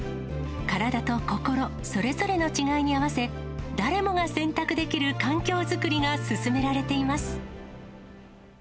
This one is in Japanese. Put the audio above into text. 体と心、それぞれの違いに合わせ、誰もが選択できる環境作りが進められています。